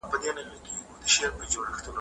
غوسه روغتیا ته زیان رسوي.